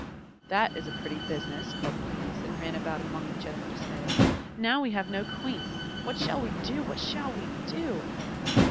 "That is a pretty business!" called the Bees, and ran about among each other in dismay. "Now we have no Queen! What shall we do? What shall we do?"